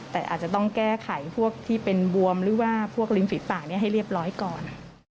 แต่อาจจะต้องแก้ไขพวกที่เป็นบวมหรือว่าพวกริมฝีปากให้เรียบร้อยก่อน